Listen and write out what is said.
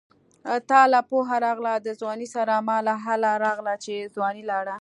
تاله پوهه راغله د ځوانۍ سره ماله هله راغله چې ځواني لاړه